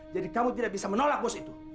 jadi kamu tidak bisa menolak bos itu